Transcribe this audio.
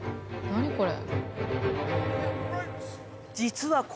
何これ？